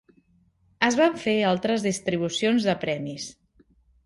Es van fer altres distribucions de premis.